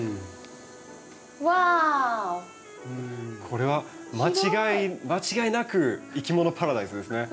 これは間違いなくいきものパラダイスですね。